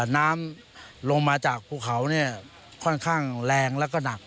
น้ำลงมาจากภูเขาค่อนข้างแรงแล้วก็หนัก